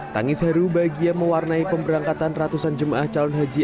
tangis heru bagia mewarnai pemberangkatan ratusan jemaah calon haji